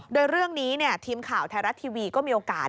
โดยเรื่องนี้ทีมข่าวไทยรัฐทีวีก็มีโอกาส